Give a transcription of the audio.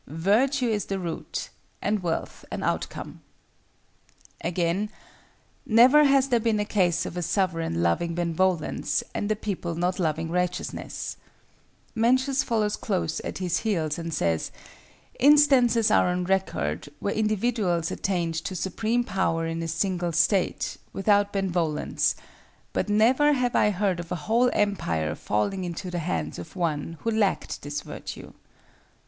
Virtue is the root, and wealth an outcome." Again, "Never has there been a case of a sovereign loving benevolence, and the people not loving righteousness," Mencius follows close at his heels and says, "Instances are on record where individuals attained to supreme power in a single state, without benevolence, but never have I heard of a whole empire falling into the hands of one who lacked this virtue."